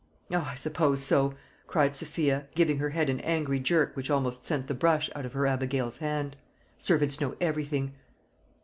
"O, I suppose so," cried Sophia, giving her head an angry jerk which almost sent the brush out of her abigail's hand; "servants know everything."